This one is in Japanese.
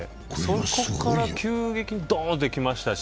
そこから急激にドーンと来ましたし。